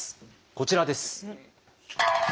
こちらです。